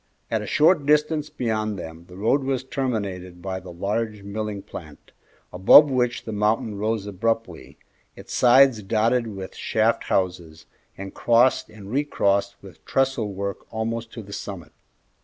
At a short distance beyond them the road was terminated by the large milling plant, above which the mountain rose abruptly, its sides dotted with shaft houses and crossed and recrossed with trestle work almost to the summit.